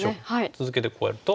続けてこうやると。